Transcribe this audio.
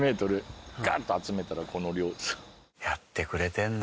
やってくれてんだ。